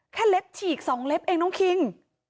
แค่เล็บฉีกสองเล็บเองน้องคิง